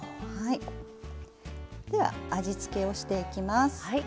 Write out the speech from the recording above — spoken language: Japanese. では味付けをしていきます。